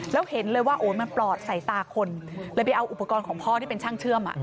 แล้วเห็นเลยว่าโอ๊ยมันปลอดใส่ตาคนเลยไปเอาอุปกรณ์ของพ่อที่เป็นช่างเชื่อม